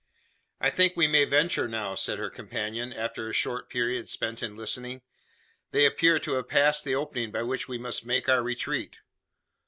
"I think we may venture now;" said her companion, after a short period spent in listening; "they appear to have passed the opening by which we must make our retreat.